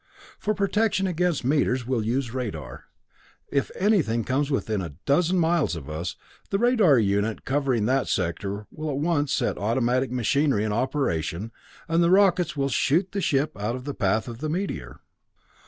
"For protection against meteors, we'll use radar. If anything comes within a dozen miles of us, the radar unit covering that sector will at once set automatic machinery in operation, and the rockets will shoot the ship out of the path of the meteor."